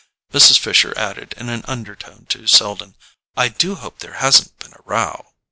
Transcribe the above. Mrs. Fisher added in an undertone to Selden: "I do hope there hasn't been a row."